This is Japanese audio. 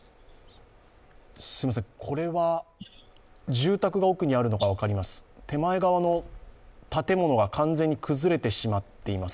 住宅が奥にあるのが分かります、手前側の完全に崩れてしまっています